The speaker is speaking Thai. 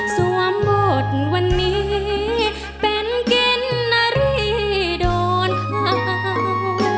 สวมบทวันนี้เป็นกินนารีโดนข้าว